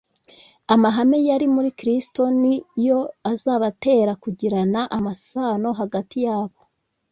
Amahame yari muri Kristo, ni yo azabatera kugirana amasano hagati yabo.